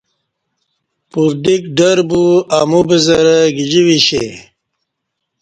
پردیک ڈربو امو بزرہ گجی ویشے